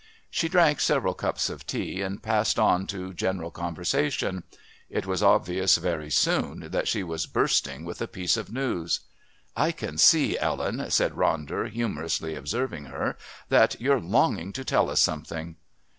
She drank several cups of tea and passed on to general conversation. It was obvious, very soon, that she was bursting with a piece of news. "I can see, Ellen," said Ronder, humorously observing her, "that you're longing to tell us something."